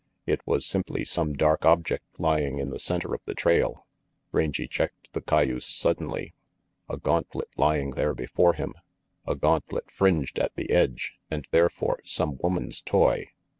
It was simply some dark object lying in the center of the trail. Rangy checked the cayuse suddenly. A gauntlet lying there before him! A gauntlet fringed at the edge, and therefore some woman's toy!